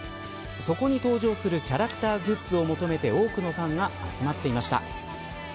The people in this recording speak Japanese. そこに登場するキャラクターグッズを求めて多くのファンが集まっていました。